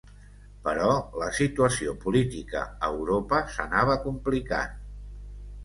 Però la situació política a Europa s'anava complicant.